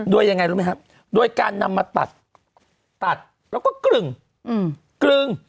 ด้วยยังไงรู้ไหมครับด้วยการนำมาตัดตัดแล้วก็กลึ่ง